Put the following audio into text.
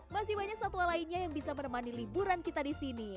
masih banyak satwa lainnya yang bisa menemani liburan kita di sini